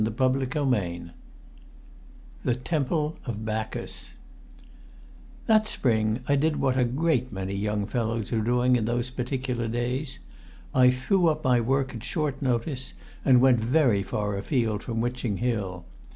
CHAPTER VIII The Temple of Bacchus That spring I did what a great many young fellows were doing in those particular days. I threw up my work at short notice, and went very far afield from Witching Hill.